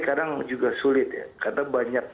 kadang juga sulit ya